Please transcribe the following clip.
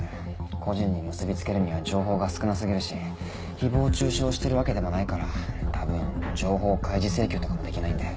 個人に結び付けるには情報が少な過ぎるし誹謗中傷をしてるわけでもないから多分情報開示請求とかもできないんで。